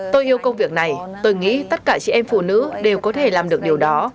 tôi yêu công việc này tôi nghĩ tất cả chị em phụ nữ đều có thể làm được điều đó